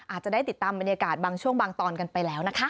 อาจจะได้ติดตามบรรยากาศบางช่วงบางตอนกันไปแล้วนะคะ